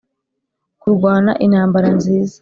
kurwana intambara nziza